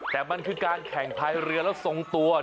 แต่มันคือการแข่งพายเรือแล้วทรงตัว